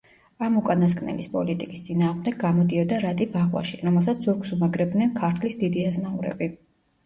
ამ უკანასკნელის პოლიტიკის წინააღმდეგ გამოდიოდა რატი ბაღვაში, რომელსაც ზურგს უმაგრებდნენ ქართლის დიდი აზნაურები.